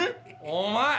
お前！